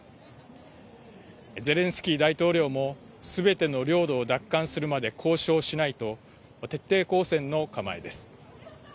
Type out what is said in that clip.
ゼレンスキー大統領もすべての領土を奪還するまで交渉しないと徹底抗戦の構えです。